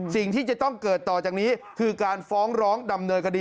สิ่งที่จะต้องเกิดต่อจากนี้คือการฟ้องร้องดำเนินคดี